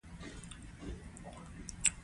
د خپل محسن په حق کې بهترینې دعاګانې وغواړي.